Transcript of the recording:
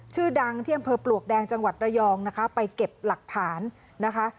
ชื่อดังที่อำเภอปลวกแดงจังหวัดระยองนะคะไปเก็บหลักฐานนะคะ